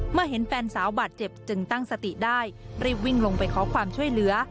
เห็นแฟนสาวบาดเจ็บจึงตั้งสติได้รีบวิ่งลงไปขอความช่วยเหลือ